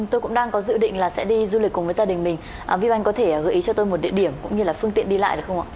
tôi cũng đang có dự định là sẽ đi du lịch cùng với gia đình mình vi anh có thể gợi ý cho tôi một địa điểm cũng như là phương tiện đi lại được không ạ